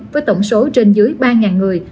với tổng số trên dưới ba người